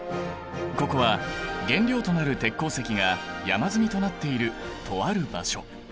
ここは原料となる鉄鉱石が山積みとなっているとある場所。